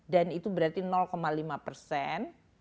dan itu berarti lima persen